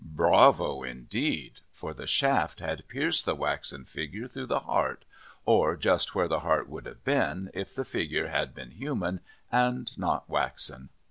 Bravo indeed! For the shaft had pierced the waxen figure through the heart, or just where the heart would have been if the figure had been human and not waxen.